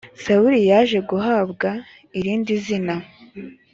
sawuli yaje guhabwa irindizina .